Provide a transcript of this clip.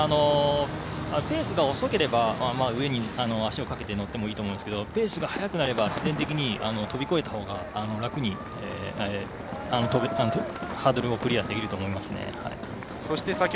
ペースが遅ければ上に足をかけて乗ってもいいと思うんですがペースが速くなれば必然的に飛び越えたほうが楽にハードルをクリアできると思いますね。